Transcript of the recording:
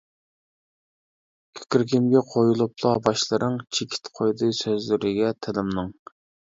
كۆكرىكىمگە قويۇلۇپلا باشلىرىڭ، چېكىت قويدى سۆزلىرىگە تىلىمنىڭ.